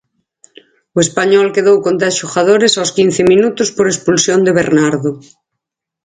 O Español quedou con dez xogadores aos quince minutos por expulsión de Bernardo.